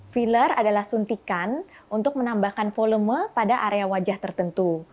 filler adalah suntikan untuk menambahkan volume pada area wajah tertentu